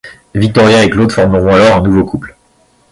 Victoria et Claude formeront alors un nouveau couple.